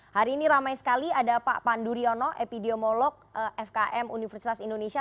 hari ini ramai sekali ada pak pandu riono epidemiolog fkm universitas indonesia